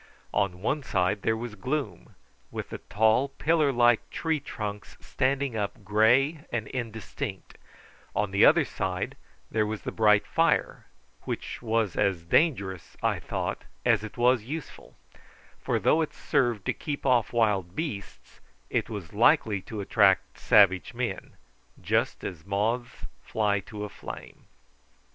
On one side there was gloom, with the tall pillar like tree trunks standing up grey and indistinct; on the other side there was the bright fire, which was as dangerous, I thought, as it was useful, for though it served to keep off wild beasts it was likely to attract savage men, just as moths fly to a flame.